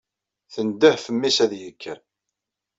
Tendeh ɣef mmi-s ad yekker.